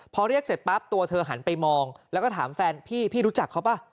พอเรียกเสร็จปั๊บตัวเธอหันไปมองแล้วก็ถามแฟนพี่พี่รู้จักเขาป่ะ